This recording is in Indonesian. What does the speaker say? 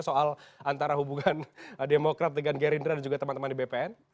soal antara hubungan demokrat dengan gerindra dan juga teman teman di bpn